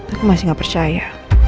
aku masih gak percaya